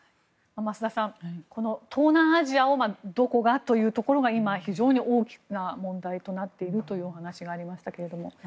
増田さん、東南アジアをどこがというところが今、非常に大きな問題となっているという話がありましたけども。